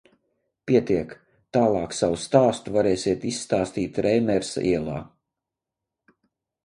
Pietiek, tālāk savu stāstu varēsiet izstāstīt Reimersa ielā.